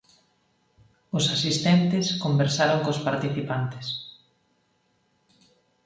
Os asistentes conversaron cos participantes.